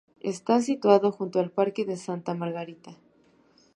Está situado junto al Parque de Santa Margarita.